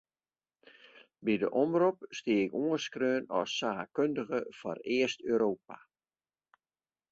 By de omrop stie ik oanskreaun as saakkundige foar East-Europa.